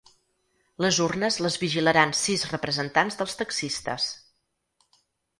Les urnes les vigilaran sis representants dels taxistes.